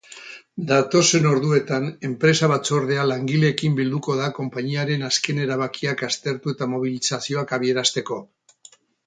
Datozen orduotan enpresa-batzordea langileekin bilduko da konpainiaren azken erabakiak aztertu eta mobilizazioak abiarazteko.